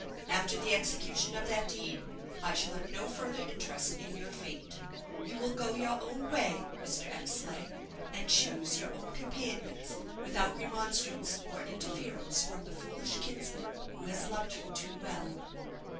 After the execution of that deed I shall have no further interest in your fate. You will go your own way, Mr. Eversleigh, and choose your own companions, without remonstrance or interference from the foolish kinsman who has loved you too well."